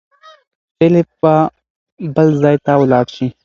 فېلېپ به بل ځای ته ولاړ شي.